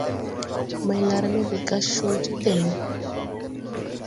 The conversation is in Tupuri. Maylarme de gas coo ti teme.